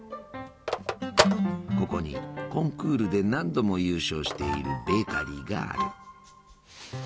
ここにコンクールで何度も優勝しているベーカリーがある。